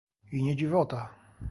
"I nie dziwota!"